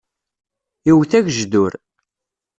Iwwet agejdur.